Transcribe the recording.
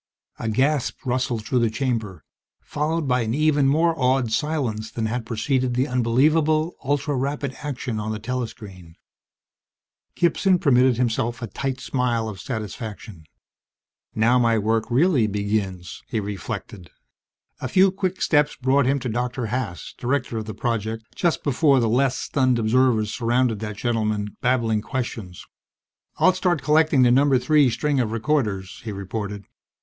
_ A gasp rustled through the chamber, followed by an even more awed silence than had preceded the unbelievable, ultra rapid action on the telescreen. Gibson permitted himself a tight smile of satisfaction. Now my work really begins, he reflected. A few quick steps brought him to Dr. Haas, director of the project, just before the less stunned observers surrounded that gentleman, babbling questions. "I'll start collecting the Number Three string of recorders," he reported.